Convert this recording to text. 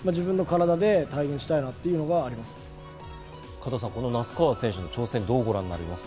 加藤さん、那須川選手の挑戦、どうご覧になりますか？